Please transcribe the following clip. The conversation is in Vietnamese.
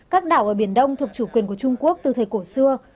các đảo ở biển đông thuộc chủ quyền của trung quốc từ thời cổ xưa